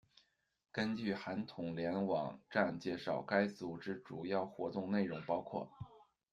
根据韩统联网站介绍，该组织主要活动内容包括：